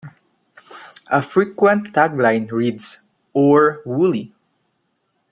A frequent tagline reads, Oor Wullie!